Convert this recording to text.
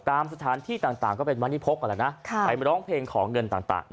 ตามสถานท่าต่างและไปร้องเพลงของเงินต่าง